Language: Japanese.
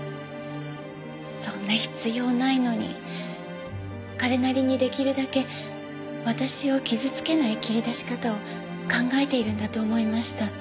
そんな必要ないのに彼なりに出来るだけ私を傷つけない切り出し方を考えているんだと思いました。